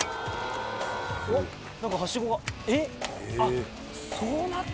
何かはしごがえっ？あっ。